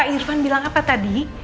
irfan bilang apa tadi